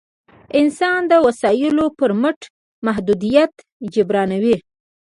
انسان د وسایلو پر مټ محدودیت جبرانوي.